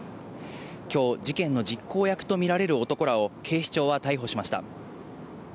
今日、事件の実行役とみられる男らを警視庁は逮捕しました。